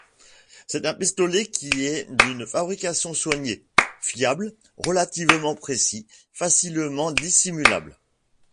C'est un pistolet qui est d'une fabrication soignée, fiable relativement précis, facilement dissimulable.